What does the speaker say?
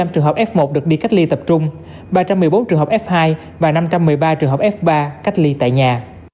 một mươi trường hợp f một được đi cách ly tập trung ba trăm một mươi bốn trường hợp f hai và năm trăm một mươi ba trường hợp f ba cách ly tại nhà